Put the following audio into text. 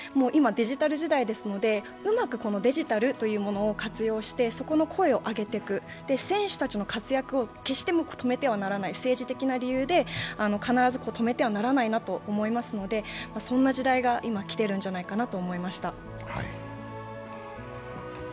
今、デジタル時代ですので、うまくデジタルというものを活用してそこの声を上げていく、選手たちの活躍を決して止めてはならない、政治的な理由で必ず止めてはならないと思いますのでそんな時代が今、来ているんじゃないかなと思いました。